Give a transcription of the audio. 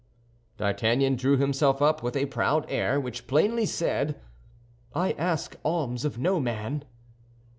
D'Artagnan drew himself up with a proud air which plainly said, "I ask alms of no man."